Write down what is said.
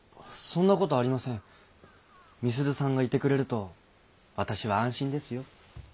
美鈴さんがいてくれると私は安心ですよ。